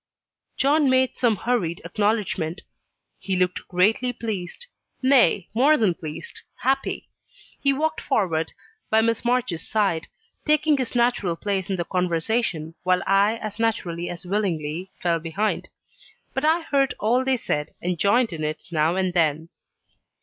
John made some hurried acknowledgment. He looked greatly pleased nay, more than pleased happy. He walked forward by Miss March's side, taking his natural place in the conversation, while I as naturally as willingly fell behind. But I heard all they said, and joined in it now and then.